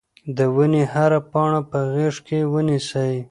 د ونې هره پاڼه په غېږ کې ونیسئ.